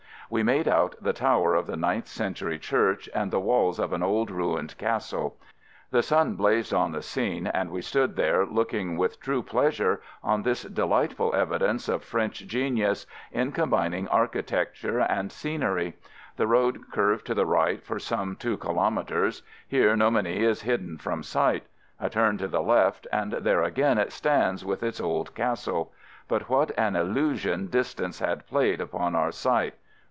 We made out the tower of the ninth century church and the walls of an old ruined castle. The sun blazed on the scene and we stood there looking with true pleasure on this delightful evidence of French genius in combining architecture and scenery. The road curved to the right for some two kilometres. Here Nomeny is hidden from sight. A turn to the left and there again it stands with its old castle. But what an illusion distance had played upon our sight.